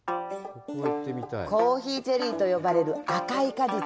コーヒーチェリーと呼ばれる赤い果実。